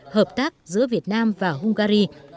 hợp tác giữa việt nam và hungary